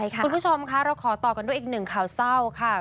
คุณผู้ชมค่ะเราขอต่อกันด้วยอีกหนึ่งข่าวเศร้าค่ะ